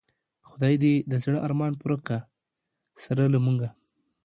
خدای دی د زړه ارمان پوره که سره له مونږه